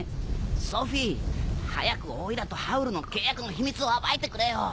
ソフィー早くオイラとハウルの契約の秘密を暴いてくれよ。